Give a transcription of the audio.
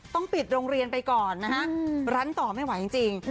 ต้องปิดโรงเรียนไปก่อนนะฮะรั้นต่อไม่ไหวจริง